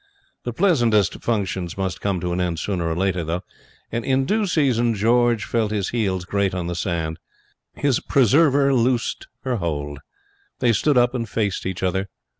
The pleasantest functions must come to an end sooner or later; and in due season George felt his heels grate on the sand. His preserver loosed her hold. They stood up and faced each other.